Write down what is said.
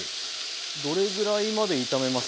どれぐらいまで炒めます？